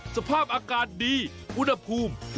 สภาพอากาศดีอุณหภูมิ